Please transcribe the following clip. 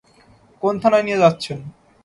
কোন থানায় নিয়ে যাচ্ছেন?